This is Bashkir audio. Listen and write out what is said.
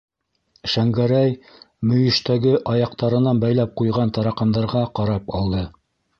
Шәңгәрәй мөйөштәге аяҡтарынан бәйләп ҡуйған тараҡандарға ҡарап алды.